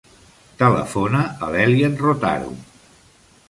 Telefona a l'Elian Rotaru.